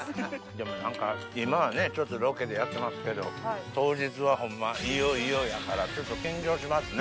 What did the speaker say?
でも今はちょっとロケでやってますけど当日はホンマいよいよやからちょっと緊張しますね。